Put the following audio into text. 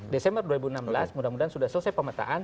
desember dua ribu enam belas mudah mudahan sudah selesai pemetaan